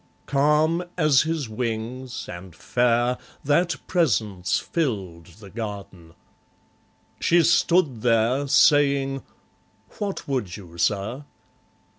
Calm as his wings, and fair, That presence filled the garden. She stood there, Saying, "What would you, Sir?"